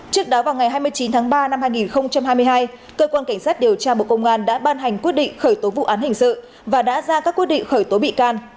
trước đó vào ngày hai mươi chín tháng ba năm hai nghìn hai mươi hai cơ quan cảnh sát điều tra bộ công an đã ban hành quyết định khởi tố vụ án hình sự và đã ra các quyết định khởi tố bị can